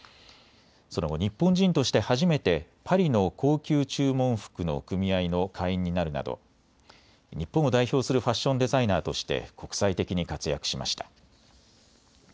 その後、日本人として初めてパリの高級注文服の組合の会員になるなど日本を代表するファッションデザイナーとして国際的に活躍しました。